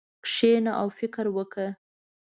کښېنه او فکر وکړه.